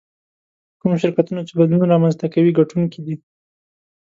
کوم شرکتونه چې بدلون رامنځته کوي ګټونکي دي.